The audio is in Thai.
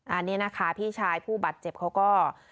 อันนี้นะคะพี่ชายผู้บาดเจ็บเขาก็